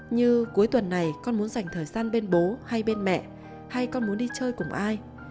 như cuối tuần này con muốn dành thời gian bên bố hay bên mẹ hay con muốn đi chơi cùng ai